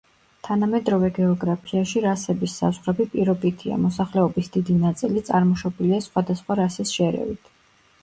თანამედროვე გეოგრაფიაში რასების საზღვრები პირობითია, მოსახლეობის დიდი ნაწილი წარმოშობილია სხვადასხვა რასის შერევით.